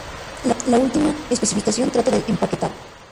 La última especificación trata del empaquetado.